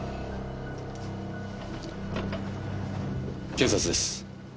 警察です。